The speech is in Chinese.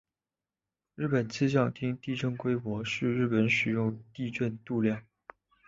日本气象厅地震规模是日本使用的地震度量。